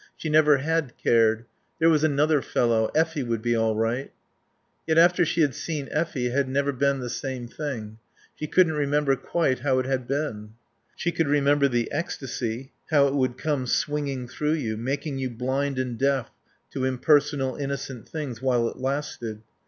She never had cared. There was another fellow. Effie would be all right. Yet, after she had seen Effie it had never been the same thing. She couldn't remember, quite, how it had been. She could remember the ecstasy, how it would come swinging through you, making you blind and deaf to impersonal, innocent things while it lasted.